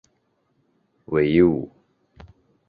讳一武。